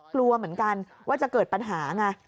กลัวเหมือนกันว่าจะเกิดปัญหาไง